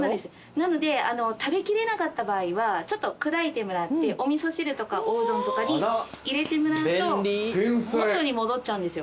なので食べきれなかった場合はちょっと砕いてもらってお味噌汁とかおうどんとかに入れてもらうと元に戻っちゃうんですよ。